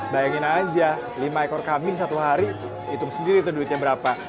bayangin aja lima ekor kambing satu hari hitung sendiri itu duitnya berapa